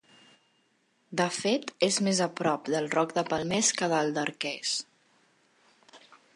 De fet és més a prop del Roc de Palmes que del d'Arques.